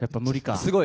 すごい。